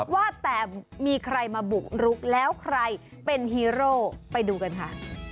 ว่าแต่มีใครมาบุกรุกแล้วใครเป็นฮีโร่ไปดูกันค่ะ